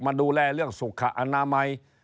มาดูแลเรื่องสุขอนามัย